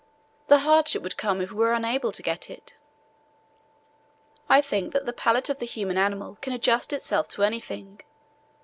The hardship would come if we were unable to get it." I think that the palate of the human animal can adjust itself to anything.